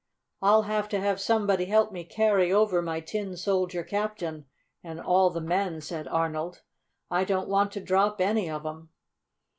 "I'll have to have somebody help me carry over my Tin Soldier Captain and all the men," said Arnold. "I don't want to drop any of 'em."